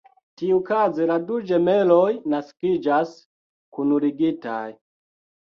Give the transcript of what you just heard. Tiukaze la du ĝemeloj naskiĝas kunligitaj.